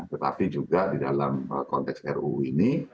tetapi juga di dalam konteks ruu ini